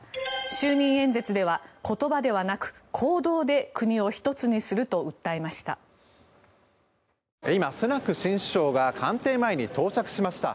就任演説では言葉ではなく行動で国を一つにすると訴えました。